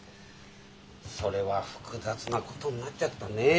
それは複雑なことになっちゃったねえ。